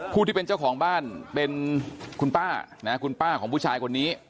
ที่เป็นเจ้าของบ้านเป็นคุณป้านะคุณป้าของผู้ชายคนนี้